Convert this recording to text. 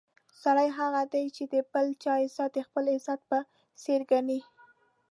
سړی هغه دی چې د بل چا عزت د خپل عزت په څېر ګڼي.